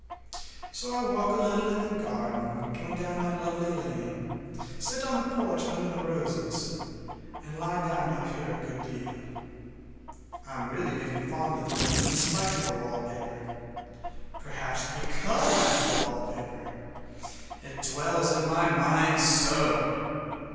So I walk a little in the garden or down that lovely lane, sit on the porch under the roses, and lie down up here a good deal. I'm getting really fond of the room in spite of the wallpaper. Perhaps because of the wallpaper. It dwells in my mind so!